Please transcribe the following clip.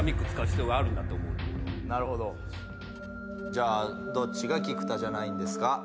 じゃあどっちが菊田じゃないんですか？